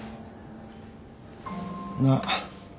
なあ。